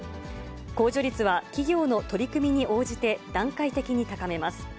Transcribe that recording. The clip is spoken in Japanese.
控除率は、企業の取り組みに応じて段階的に高めます。